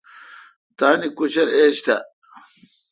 تان کوچر ایج تھ۔